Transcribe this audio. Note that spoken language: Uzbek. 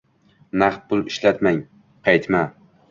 Naqd pul ishlatmang! Qaytma!